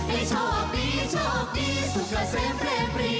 ให้โชคดีโชคดีสุขเสพเพลมดี